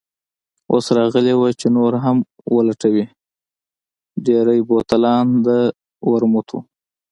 اوس راغلې وه چې نور هم ولټوي، ډېری بوتلان د ورموت وو.